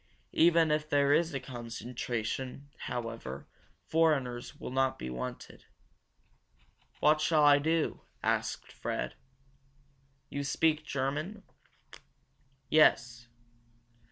Even if there is a concentration, however, foreigners will not be wanted." "What shall I do?" asked Fred. "You speak German?" "Yes."